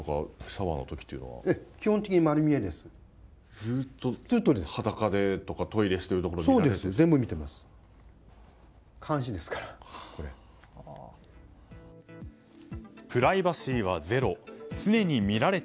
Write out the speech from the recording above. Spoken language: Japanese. ずっと、裸でとかトイレしているところを見られて。